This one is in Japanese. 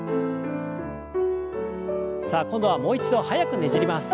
さあ今度はもう一度速くねじります。